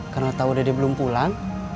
karena tau dede belum pulang